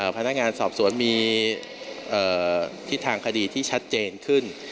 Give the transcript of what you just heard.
พนักงานสอบสวนมีทิศทางคดีที่ชัดเจนขึ้น